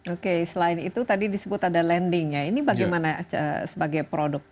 oke selain itu tadi disebut ada landing ya ini bagaimana sebagai produk